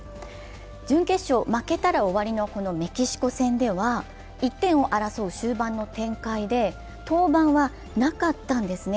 準決勝、負けたら終わりのメキシコ戦では１点を争う終盤の展開で登板はなかったんですね、